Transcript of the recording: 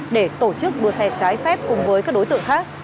để tổ chức đua xe trái phép cùng với các đối tượng khác